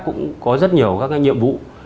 cũng có rất nhiều các cái nhiệm vụ